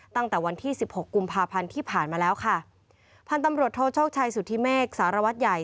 ตั้งแต่วันที่สิบหกกุมภาพันธ์ที่ผ่านมาแล้วค่ะพันธุ์ตำรวจโทโชคชัยสุธิเมฆสารวัตรใหญ่